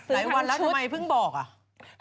หลายวันแล้วทำไมเพิ่งบอกอ่ะ